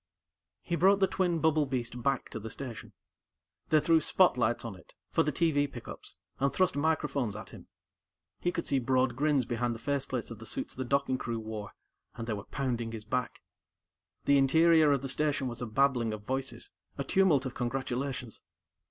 He brought the twin bubble beast back to the station. They threw spotlights on it, for the TV pickups, and thrust microphones at him. He could see broad grins behind the faceplates of the suits the docking crew wore, and they were pounding his back. The interior of the Station was a babbling of voices, a tumult of congratulations.